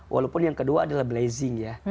walaupun yang kedua adalah blezing ya